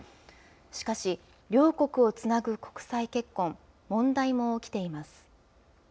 しかし、両国をつなぐ国際結婚、問題も起きています。